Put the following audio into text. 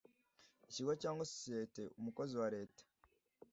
ikigo cyangwa sosiyeti umukozi wa Leta,